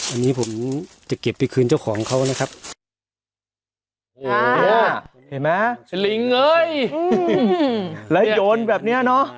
อันนี้ผมจะเก็บไปคืนเจ้าของเขานะครับโอ้โหเห็นไหมสลิงเอ้ยแล้วโยนแบบเนี้ยเนอะ